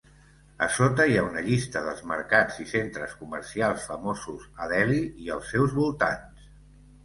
A sota hi ha una llista dels mercats i centres comercials famosos a Delhi i als seus voltants.